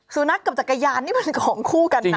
สุนัขกับจักรยานนี่มันของคู่กันนะ